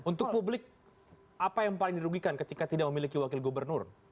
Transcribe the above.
untuk publik apa yang paling dirugikan ketika tidak memiliki wakil gubernur